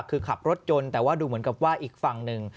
คือขับรถยนต์แต่ว่าดูเหมือนกับว่าอีกฝั่งหนึ่ง